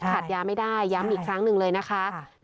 ขาดยาไม่ได้ย้ำอีกครั้งหนึ่งเลยนะคะ